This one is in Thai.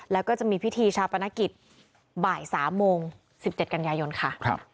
แล้วก็จะมีพิธีชาปนกิจบ่าย๓โมง๑๗กันยายนค่ะ